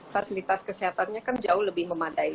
fasilitas kesehatannya kan jauh lebih memadai